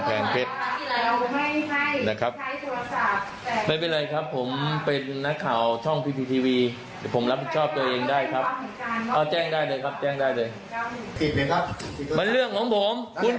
แล้วคุณเป็นใครมาสั่งผม